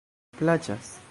plaĉas